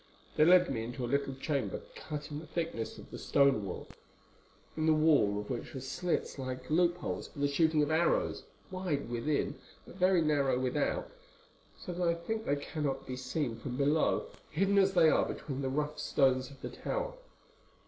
They led me into a little chamber cut in the thickness of the stone work, in the wall of which are slits like loop holes for the shooting of arrows, wide within, but very narrow without, so that I think they cannot be seen from below, hidden as they are between the rough stones of the tower.